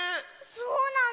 そうなの。